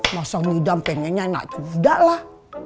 masa nidam pengennya naik kuda lah